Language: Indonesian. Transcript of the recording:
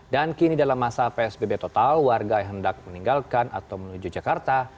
dan kini dalam masa psbb total warga yang hendak meninggalkan atau menuju jakarta